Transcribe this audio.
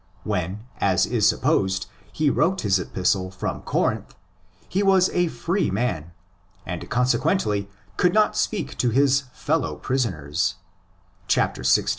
When, as is supposed, he wrote his Epistle from Corinth, he was a free man, and consequently could not speak of his " fellow prisoners"' (xvi.